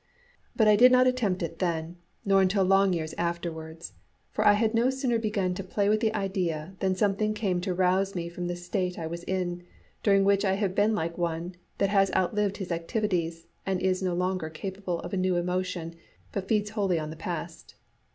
But I did not attempt it then, nor until long years afterwards. For I had no sooner begun to play with the idea than something came to rouse me from the state I was in, during which I had been like one that has outlived his activities, and is no longer capable of a new emotion, but feeds wholly on the past.